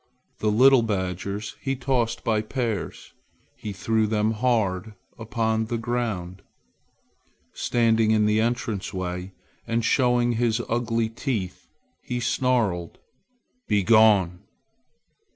The little badgers he tossed by pairs. He threw them hard upon the ground. Standing in the entrance way and showing his ugly teeth, he snarled, "Be gone!"